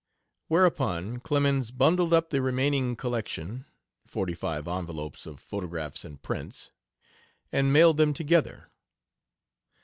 Whereupon Clemens bundled up the remaining collection forty five envelopes of photographs and prints and mailed them together.